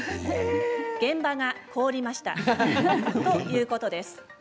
現場が凍りましたということです。